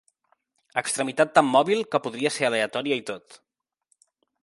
Extremitat tan mòbil que podria ser aleatòria i tot.